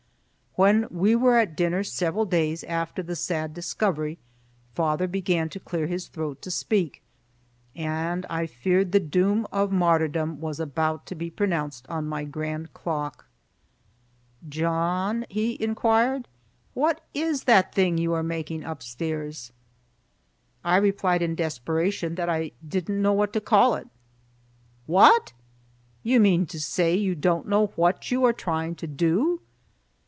When we were at dinner several days after the sad discovery, father began to clear his throat to speak, and I feared the doom of martyrdom was about to be pronounced on my grand clock. "John," he inquired, "what is that thing you are making upstairs?" I replied in desperation that I didn't know what to call it. "What! You mean to say you don't know what you are trying to do?"